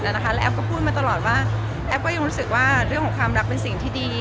แล้วแอฟก็พูดมาตลอดว่าแอฟก็ยังรู้สึกว่าเรื่องของความรักเป็นสิ่งที่ดี